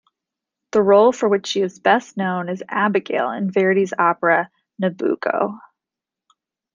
The role for which she is best known is Abigaille in Verdi's opera "Nabucco".